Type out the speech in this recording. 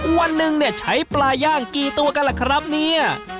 วันนึงใช้ปลาย่างกี่ตัวกันครับเนี่ย